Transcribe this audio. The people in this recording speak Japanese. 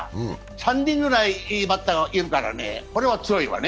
３人くらいいいバッターがいるからこれは強いわね。